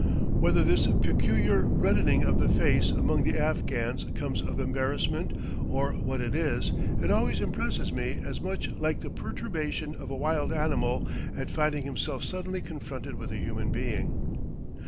Whether this peculiar reddening of the face among the Afghans comes of embarrassment, or what it is, it always impresses me as much like the "perturbation of a wild animal at finding himself suddenly confronted with a human being."